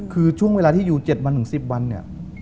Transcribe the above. คือช่วงเวลาที่อยู่๗๑๐วัน